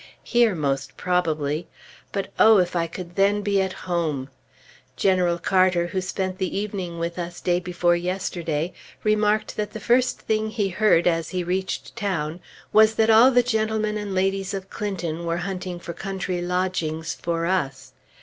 Here, most probably; but oh, if I could then be at home! General Carter, who spent the evening with us day before yesterday, remarked that the first thing he heard as he reached town was that all the gentlemen and ladies of Clinton were hunting for country lodgings for us.